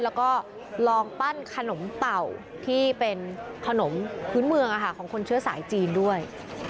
แล้วก็ลองปั้นขนมเต่าที่เป็นขนมพื้นเมืองของคนเชื้อสายจีนด้วย